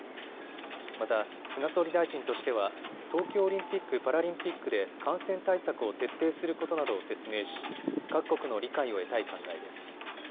また、菅総理大臣としては東京オリンピック・パラリンピックで感染対策を徹底することなどを説明し各国の理解を得たい考えです。